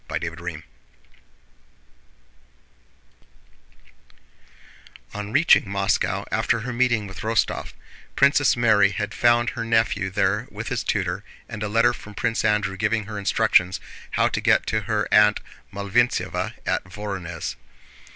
CHAPTER VI On reaching Moscow after her meeting with Rostóv, Princess Mary had found her nephew there with his tutor, and a letter from Prince Andrew giving her instructions how to get to her Aunt Malvíntseva at Vorónezh.